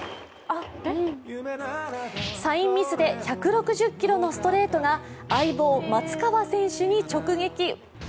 サインミスで１６０キロのストレートが相棒・松川選手に直撃。